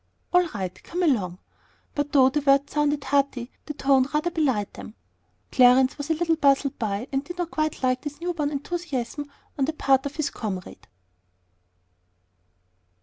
"All right; come along!" But though the words sounded hearty, the tone rather belied them. Clarence was a little puzzled by and did not quite like this newborn enthusiasm on the part of his comrade.